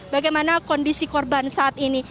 bagaimana kondisi korban saat ini